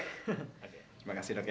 terima kasih dok ya